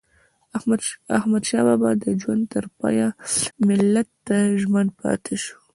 احمدشاه بابا د ژوند تر پایه ملت ته ژمن پاته سو.